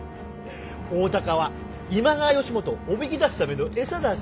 大高は今川義元をおびき出すための餌だて。